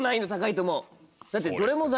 だって。